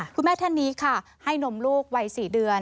คุณแม่ท่านนี้ค่ะให้นมลูกวัย๔เดือน